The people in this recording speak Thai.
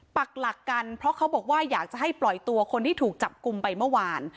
ปักหลักกันเพราะเขาบอกว่าอยากจะให้ปล่อยตัวคนที่ถูกจับกลุ่มไปเมื่อวาน